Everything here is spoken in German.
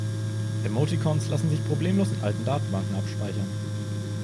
Emoticons lassen sich problemlos in alten Datenbanken abspeichern.